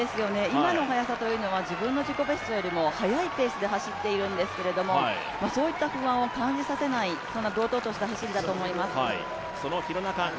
今の走りは自分の自己ベストよりも速いペースで走っているんですけどそういった不安を感じさせない堂々とした走りだと思います。